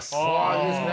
いいっすね。